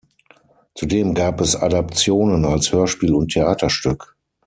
Zudem gab es Adaptionen als Hörspiel und Theaterstück.